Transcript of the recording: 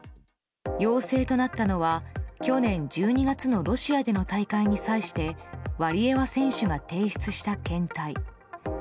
陽性となったのは、去年１２月のロシアでの大会に際してワリエワ選手が提出した検体。